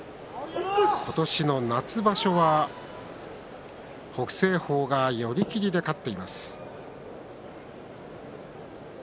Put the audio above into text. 今年の夏場所は北青鵬が寄り切りで勝っています。